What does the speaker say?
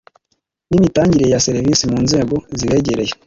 n imitangire ya serivisi mu nzego zibegereye